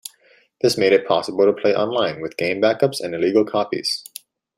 This made it possible to play online with game backups and illegal copies.